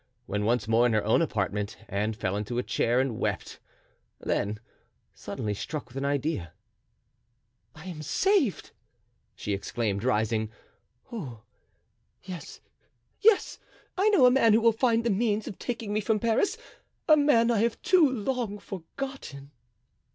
When once more in her own apartment Anne fell into a chair and wept; then suddenly struck with an idea: "I am saved!" she exclaimed, rising; "oh, yes! yes! I know a man who will find the means of taking me from Paris, a man I have too long forgotten."